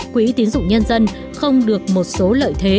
quỹ tiến dụng nhân dân không được một số lợi thế